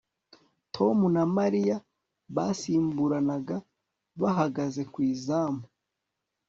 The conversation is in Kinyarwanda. Tom na Mariya basimburanaga bahagaze ku izamu